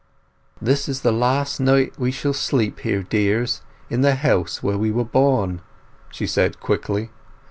"This is the last night that we shall sleep here, dears, in the house where we were born," she said quickly.